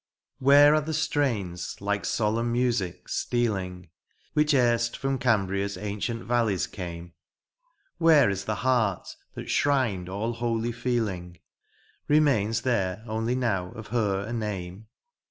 Where are the strftins like ■olemn music stealing, Which erst from Cambria's ancient vallies came ? Where is the heart that shrined all holy feeling ? Remains there only now of her* a name